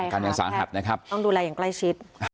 ใช่ครับต้องดูแลอย่างใกล้ชิด